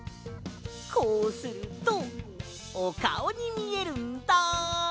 こうするとおかおにみえるんだ！